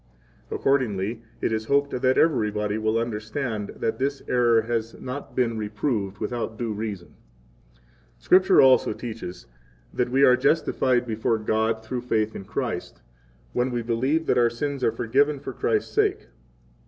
Accordingly it is hoped that everybody will understand that this error has not been reproved without due reason.] 28 Scripture also teaches that we are justified before God through faith in Christ, when we believe that our sins are forgiven for Christ's sake.